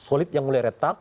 solid yang mulai retak